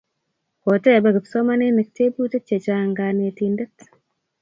Kotepe kipsomaninik teputik chechang' kanetindet